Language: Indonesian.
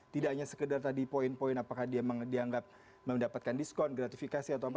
tidak hanya sekedar tadi poin poin apakah dia dianggap mendapatkan diskon gratifikasi atau apa